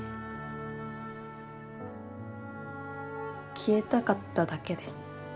消えたかっただけで。